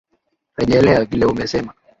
Rejelea vile umesema